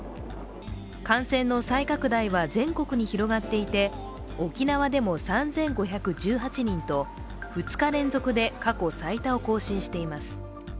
感染の再拡大は全国に広がっていて、沖縄でも３５１８人と２日連続で過去最多を更新しています。